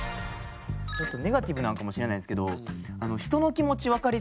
ちょっとネガティブなんかもしれないですけど。